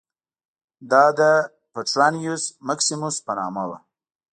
دا د پټرانیوس مکسیموس په نامه و